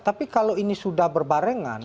tapi kalau ini sudah berbarengan